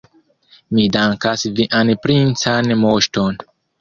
Mi dankas vian princan moŝton.